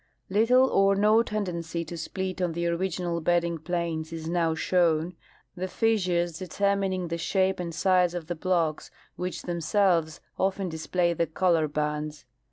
Little or no tendency to split on the original bedding planes is now shown, the fissures determining the shape and size of the blocks, Avhich themselves often display the color bands.